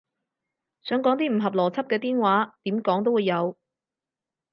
想講啲唔合邏輯嘅癲話，點講都會有